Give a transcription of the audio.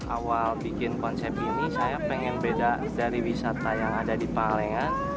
awal bikin konsep ini saya pengen beda dari wisata yang ada di palengan